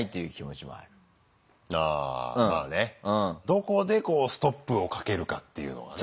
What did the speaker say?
どこでストップをかけるかっていうのがね。